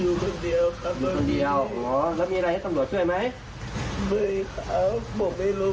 แล้วเรามีปัญหาอะไรอ่ะบอกพี่มาแล้ว